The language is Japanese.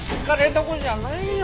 どこじゃないよ